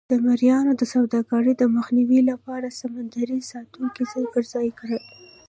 د مریانو د سوداګرۍ د مخنیوي لپاره سمندري ساتونکي ځای پر ځای کړل.